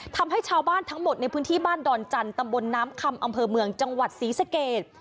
ทำให้ชาวบ้านทั้งหมดในพื้นที่บ้านดอนจันทร์ตำบลน้ำคำอำเภอเมืองจังหวัดศรีสเกต